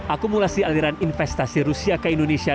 akumulasi aliran investasi rusia ke indonesia